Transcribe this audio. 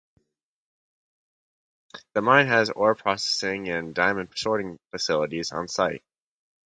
The mine has ore processing and diamond sorting facilities on site.